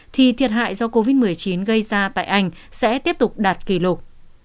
thì thiệt hại do covid một mươi chín gây ra tại anh sẽ tiếp tục đạt kỷ lục